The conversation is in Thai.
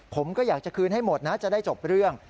ผมก็อยากจะคืนให้หมดนะจะได้จบเรื่อง